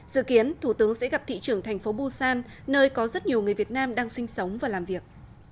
dự kiến thủ tướng sẽ gặp thị trưởng thành phố busan nơi có rất nhiều người việt nam đang sinh sống và làm việc